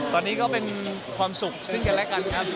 ตอนนี้ก็เป็นความสุขซึ่งกันและกันครับ